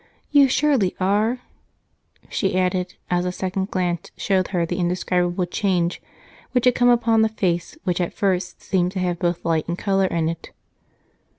You surely are?" she added, as a second glance showed to her the indescribable change which had come upon the face which at first seemed to have both light and color in it.